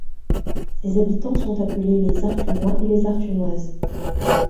Ses habitants sont appelés les Arthunois et les Arthunoises.